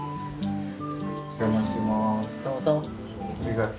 お邪魔します。